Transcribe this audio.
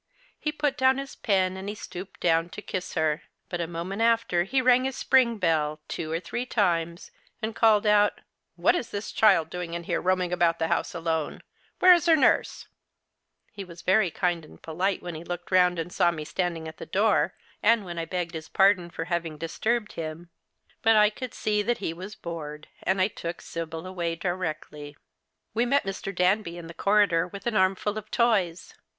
He put down his pen, and he stooj^ed down to kiss her ; but a moment after he rang his spring bell, two or three times, and called out, ' What is this child doing here, roaming about the house alone ? Where is her nurse ?' He was very kind and polite when he looked round and saw me standing at the door, and when I begged his pardon for having disturbed him ; but I could see that he was bored, and I took 8ibyl away directly. AVe met Mr. Danby in the corridor with an armful of toys.